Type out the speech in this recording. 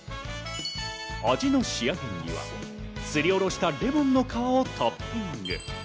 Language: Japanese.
味の仕上げにはすりおろしたレモンの皮をトッピング。